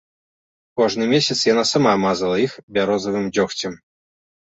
Кожны месяц яна сама мазала іх бярозавым дзёгцем.